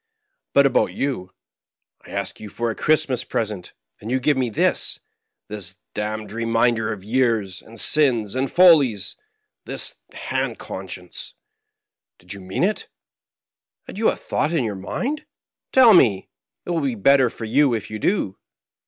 " But about you. I ask you for a Christmas present, and you give me this — ^this damned reminder of years, and sins, and follies — ^this hand conscience I Did you mean it ? Had you a thought in your mind ? Tell me. It will be better for you if you do.